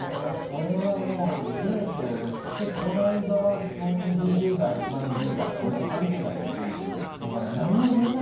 俺はもうデートしてこない側の２０代、３０代俺はもう３０代。